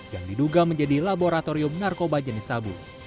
yang diduga menjadi laboratorium narkoba jenis sabu